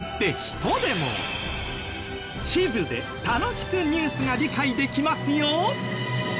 地図で楽しくニュースが理解できますよ！